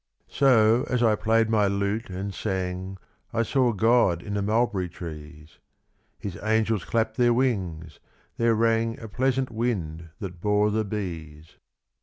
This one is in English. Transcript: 40 So, as I played my lute and tsaiig I saw God in the mulberry trees. His angels clapped their wings. There rang A pleasant wind that bore the bees.